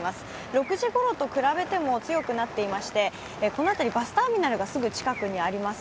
６時ごろと比べても強くなっていまして、この辺り、バスターミナルがすぐ近くにあります。